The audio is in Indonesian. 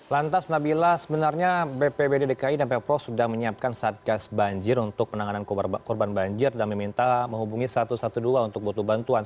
lantas nabila sebenarnya bpbd dki dan pemprov sudah menyiapkan satgas banjir untuk penanganan korban banjir dan meminta menghubungi satu ratus dua belas untuk butuh bantuan